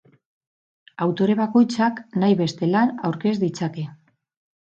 Autore bakoitzak nahi beste lan aurkez ditzake.